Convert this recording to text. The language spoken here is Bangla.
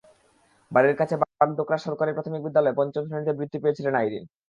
বাড়ির কাছে বাগডোকরা সরকারি প্রাথমিক বিদ্যালয় থেকে পঞ্চম শ্রেণিতে বৃত্তি পেয়েছিলেন আইরিন।